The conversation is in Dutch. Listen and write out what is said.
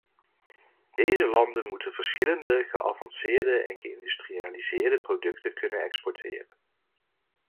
Deze landen moeten verschillende, geavanceerdere en geïndustrialiseerde producten kunnen exporteren.